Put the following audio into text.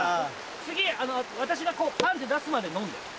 次私がパン！って出すまで飲んで。